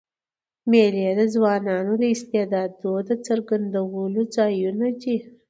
مېلې د ځوانانو د استعدادو د څرګندولو ځایونه دي.